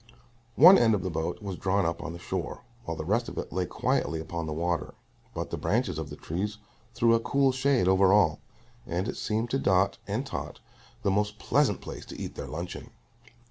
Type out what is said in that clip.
One end of the boat was drawn up on the shore, while the rest of it lay quietly upon the water; but the branches of the trees threw a cool shade over all, and it seemed to Dot and Tot the most pleasant place to eat their luncheon.